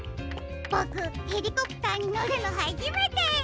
ボクヘリコプターにのるのはじめて！